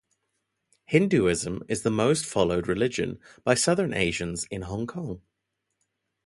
Hinduism is the most followed religion by South Asians in Hong Kong.